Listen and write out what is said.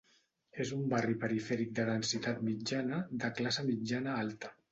És un barri perifèric de densitat mitjana de classe mitjana alta.